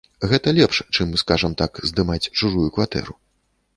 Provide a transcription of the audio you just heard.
Гэта лепш чым, скажам так, здымаць чужую кватэру.